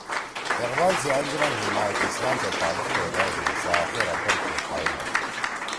اقبال سی انجمن حمایت اسلام سیت تعلُق پیدا ہُو سے أخیرا پرکے قائم آشُو